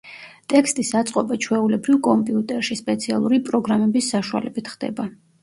ტექსტის აწყობა ჩვეულებრივ, კომპიუტერში, სპეციალური პროგრამების საშუალებით ხდება.